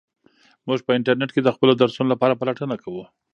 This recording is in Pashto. موږ په انټرنیټ کې د خپلو درسونو لپاره پلټنه کوو.